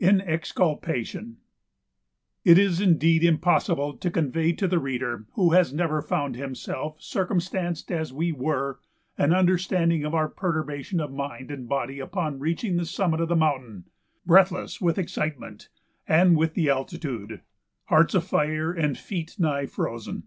[Sidenote: In Exculpation] It is indeed impossible to convey to the reader who has never found himself circumstanced as we were an understanding of our perturbation of mind and body upon reaching the summit of the mountain: breathless with excitement and with the altitude hearts afire and feet nigh frozen.